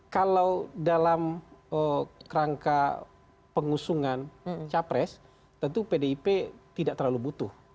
kalau dalam rangka pengusungan capres tentu pdip tidak terlalu butuh